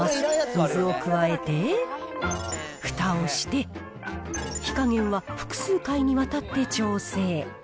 水を加えて、ふたをして、火加減は複数回にわたって調整。